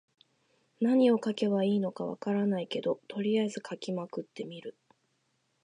何を書けばいいのか分からないけど、とりあえず書きまくってみる。